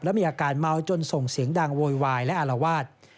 และมีอาการเมาจนส่งเสียงดังโวยวายและอารวาส